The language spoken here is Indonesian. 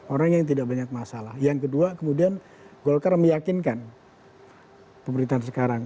orang yang tidak banyak masalah yang kedua kemudian golkar meyakinkan pemerintahan sekarang